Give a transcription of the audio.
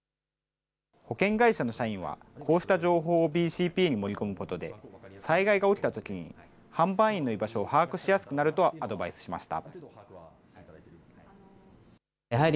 保険会社の社員はこうした情報をＢＣＰに盛り込むことで、災害が起きたときに販売員の居場所を把握しやすくなるとアドバイスしました。